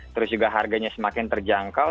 terus juga harganya semakin terjangkau